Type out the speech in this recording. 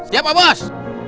siap pak bos